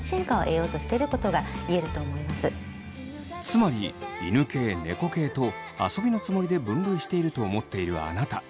つまり犬系・猫系と遊びのつもりで分類していると思っているあなた。